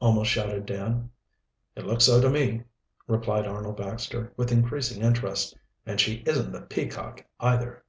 almost shouted Dan. "It looks so to me," replied Arnold Baxter, with increasing interest. "And she isn't the Peacock, either."